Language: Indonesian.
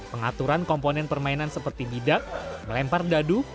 pengaturan komponen permainan seperti bidak melempar dadu